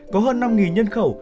có hơn năm nhân khẩu